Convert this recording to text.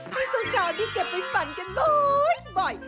ที่ส่วนคราวนี้เก็บไปสั่นกันบ่อย